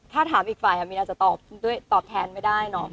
เอ่อถ้าถามอีกฝ่ายเฮะมินท์อาจจะตอบแผนไม่ได้นอน